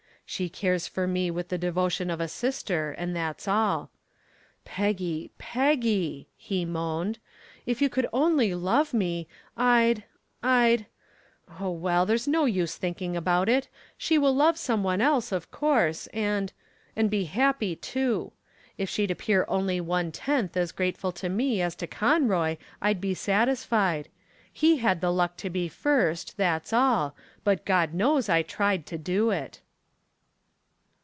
"She cares for me with the devotion of a sister and that's all. Peggy, Peggy," he moaned, "if you could only love me, I'd I'd oh, well, there's no use thinking about it! She will love some one else, of course, and and be happy, too. If she'd appear only one tenth as grateful to me as to Conroy I'd be satisfied. He had the luck to be first, that's all, but God knows I tried to do it."